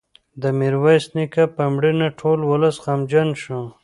د میرویس نیکه په مړینه ټول ولس غمجن شو.